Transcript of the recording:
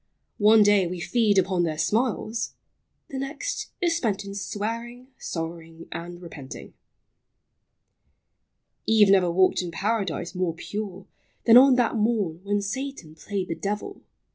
One day we feed upon their smiles, — the next Is spent in swearing, sorrowing, and repenting. ...... Eve never walked in Paradise more pure Than on that morn when Satan played the devil LIFE.